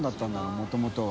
もともとは。